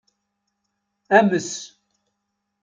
Ames.